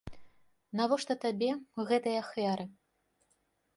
Навошта табе гэтыя ахвяры?